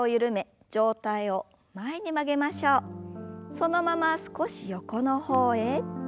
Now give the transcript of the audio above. そのまま少し横の方へ。